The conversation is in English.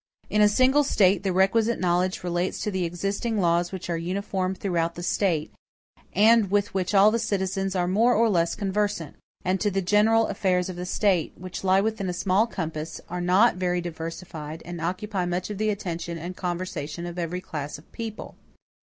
In a single State, the requisite knowledge relates to the existing laws which are uniform throughout the State, and with which all the citizens are more or less conversant; and to the general affairs of the State, which lie within a small compass, are not very diversified, and occupy much of the attention and conversation of every class of people.